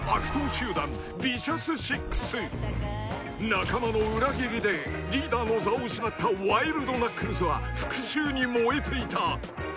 ［仲間の裏切りでリーダーの座を失ったワイルド・ナックルズは復讐に燃えていた］